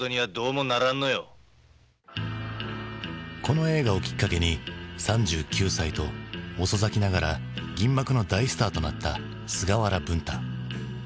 この映画をきっかけに３９歳と遅咲きながら銀幕の大スターとなった菅原文太。